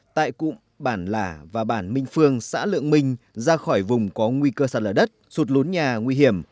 tại cụm bản lả và bản minh phương xã lượng minh ra khỏi vùng có nguy cơ sạt lở đất sụt lún nhà nguy hiểm